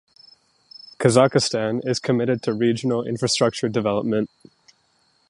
Kazakhstan is committed to regional infrastructure development.